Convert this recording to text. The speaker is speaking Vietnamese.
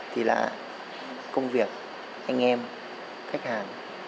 thì là công việc anh em khách hàng